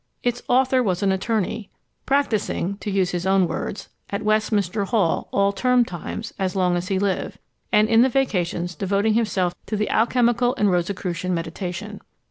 Its author was an attorney, "practising (to use his own words) at Westminster Hall all term times as long as he lived, and in the vacations devoting himself to alchymical and Rosicrucian meditation."